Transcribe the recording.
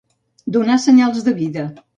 Donar senyals de vida.